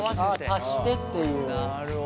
あ足してっていう。